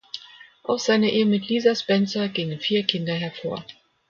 Aus seiner Ehe mit Lisa Spencer gingen vier Kinder hervor.